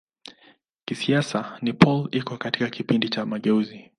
Kisiasa Nepal iko katika kipindi cha mageuzi.